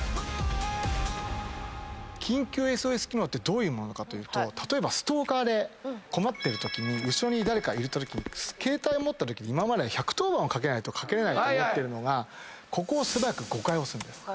緊急ＳＯＳ機能どういうものかというと例えばストーカーで困ってるときに後ろに誰かいるってときに携帯持ったとき今までは１１０番をかけないとかけれないと思ってるのがここを素早く５回押すんです。